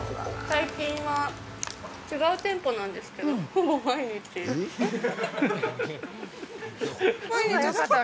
◆最近は、違う店舗なんですけどほぼ毎日。